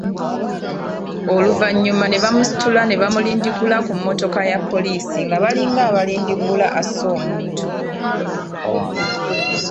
Oluvannyuma ne bamusitula ne bamulindiggula ku mmotoka ya poliisi nga balinga abalindiggula asse omuntu.